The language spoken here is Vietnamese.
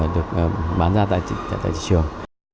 được bán ra tại thị trường